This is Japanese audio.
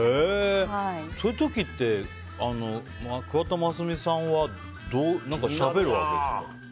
そういう時って桑田真澄さんは何かしゃべるわけですか？